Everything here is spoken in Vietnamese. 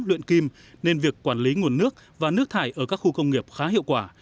luyện kim nên việc quản lý nguồn nước và nước thải ở các khu công nghiệp khá hiệu quả